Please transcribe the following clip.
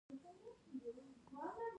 زړې ښځې نسخه واخيسته او نور څه يې ونه ويل.